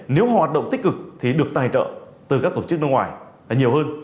nếu hoạt động tích cực thì được tài trợ từ các tổ chức nước ngoài nhiều hơn